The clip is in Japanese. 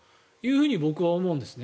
僕は思うんですね。